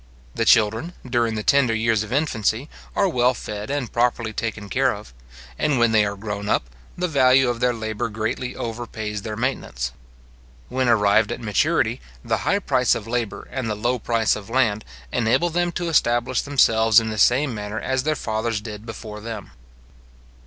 The children, during the tender years of infancy, are well fed and properly taken care of; and when they are grown up, the value of their labour greatly overpays their maintenance. When arrived at maturity, the high price of labour, and the low price of land, enable them to establish themselves in the same manner as their fathers did before them.